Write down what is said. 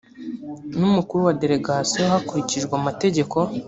n umukuru wa delegation hakurikijwe amategeko